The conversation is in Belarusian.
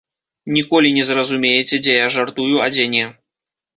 Ніколі не зразумееце, дзе я жартую, а дзе не.